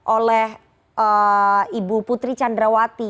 oleh ibu putri candrawati